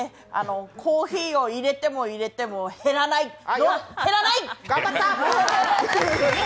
コーヒーを入れても入れても減らない！